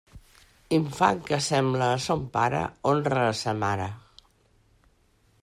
Infant que sembla a son pare honra a sa mare.